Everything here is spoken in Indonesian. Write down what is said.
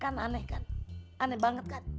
kan aneh kan aneh banget kan